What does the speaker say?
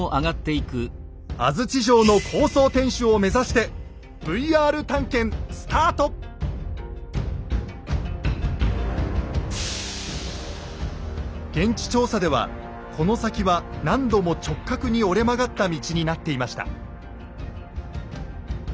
安土城の高層天主を目指して現地調査ではこの先は何度も直角に折れ曲がった道になっていました。